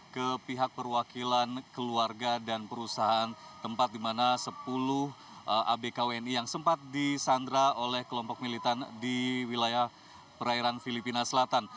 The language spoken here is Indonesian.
ke pihak perwakilan keluarga dan perusahaan tempat di mana sepuluh abk wni yang sempat disandra oleh kelompok militan di wilayah perairan filipina selatan